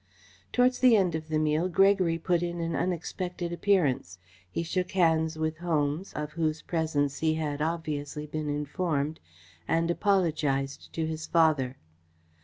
Towards the end of the meal, Gregory put in an unexpected appearance. He shook hands with Holmes, of whose presence he had obviously been informed, and apologised to his father.